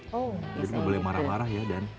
jadi boleh marah marah ya dan